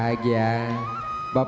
hadirin yang berbahagia